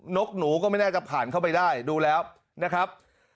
กหนูก็ไม่น่าจะผ่านเข้าไปได้ดูแล้วนะครับ